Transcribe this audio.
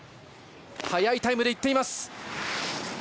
速いタイムでいっています。